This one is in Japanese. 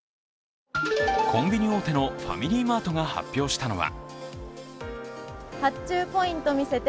コンビニ大手のファミリーマートが発表したのは発注ポイント見せて。